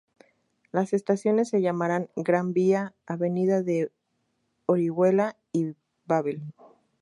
Las estaciones se llamarán: Gran Vía, Avenida de Orihuela y Babel.